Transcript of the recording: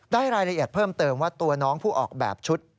รายละเอียดเพิ่มเติมว่าตัวน้องผู้ออกแบบชุด